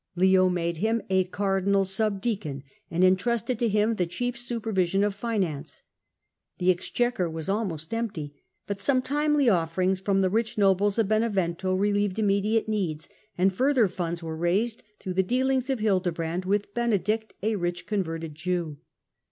Leo made him a cardinal sub ; deacon, and entrusted to him the chief supervision of finance. The exchequer was almost empty, but some timely offerings from the rich nobles of Benevento re lieved immediate npeds, and further funds were raised through the dealings of Hildebrand with Benedict, a rich converted Jew.